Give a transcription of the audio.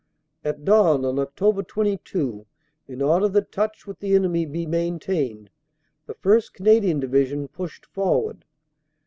At dawn on Oct. 22, in order that touch with the enemy be maintained, the 1st. Canadian Division pushed forward.